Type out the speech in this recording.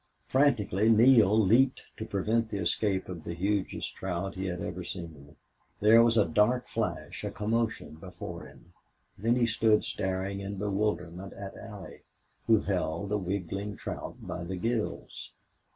Frantically Neale leaped to prevent the escape of the hugest trout he had ever seen. There was a dark flash a commotion before him. Then he stood staring in bewilderment at Allie, who held the wriggling trout by the gills.